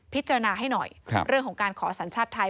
พิจารณาให้หน่อยเรื่องของการขอสัญชาติไทย